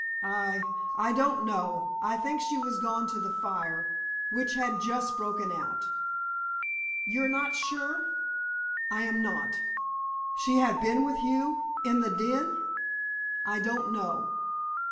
"I—I don't know. I think she had gone to the fire—which had just broken out." "You're not sure——" "I am not." "She had been with you, in the den?" "I don't know."